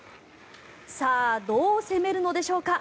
さあ、どう攻めるのでしょうか。